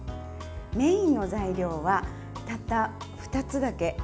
メインの材料は、たった２つだけ。